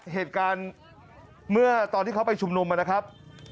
เหตุการณ์เมื่อตอนที่เขาไปชุมนุมนะครับ